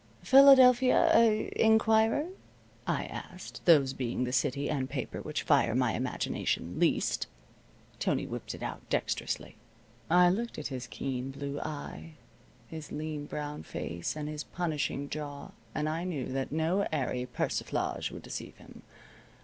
"Philadelphia er Inquirer?" I asked, those being the city and paper which fire my imagination least. Tony whipped it out, dexterously. I looked at his keen blue eye, his lean brown face, and his punishing jaw, and I knew that no airy persiflage would deceive him.